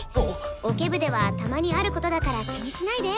オケ部ではたまにあることだから気にしないで。